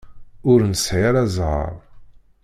Ur nesεi ara ẓẓher.